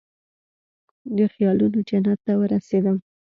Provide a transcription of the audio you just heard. د خیالونوجنت ته ورسیدم